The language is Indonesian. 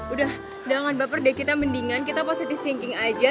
udah jangan baper deh kita mendingan kita positif thinking aja